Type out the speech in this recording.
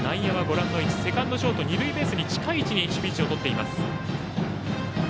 セカンド、ショート二塁ベースに近い位置に守備位置をとっています。